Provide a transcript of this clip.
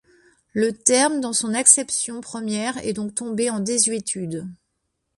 Le terme, dans son acception première, est donc tombé en désuétude.